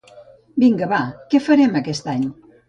Vinga va, què farem aquest any?